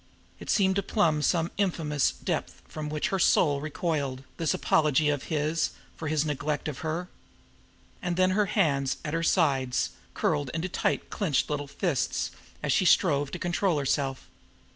It seemed to plumb some infamous depth from which her soul recoiled, this apology of his for his neglect of her. And then her hands at her sides curled into tight clenched little fists as she strove to control herself.